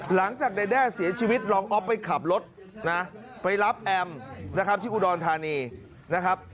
หลังจากในแด้เสียชีวิตรองอ๊อฟไปขับรถนะไปรับแอมนะครับที่อุดรธานีนะครับ